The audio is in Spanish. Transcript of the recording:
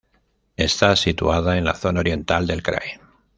Está situada en la zona oriental del "krai".